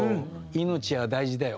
「命は大事だよ」